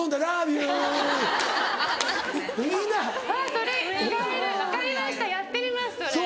それ使える分かりましたやってみますそれ。